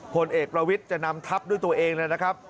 ผลเอกประวิทย์จะนำทัพด้วยตัวเองนะครับ